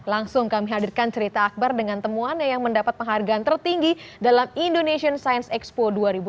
langsung kami hadirkan cerita akbar dengan temuannya yang mendapat penghargaan tertinggi dalam indonesian science expo dua ribu dua puluh